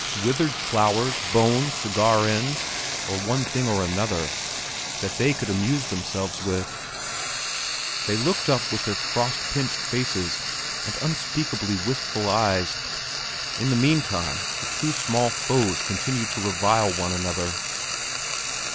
Withered flowers, bones, cigar ends, or one thing or another, that they could amuse themselves with? They looked up with their frost pinched faces and unspeakably wistful eyes. In the meantime, the two small foes continued to revile one another.